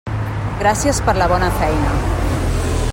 Gràcies per la bona feina.